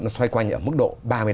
nó xoay quanh ở mức độ ba mươi tám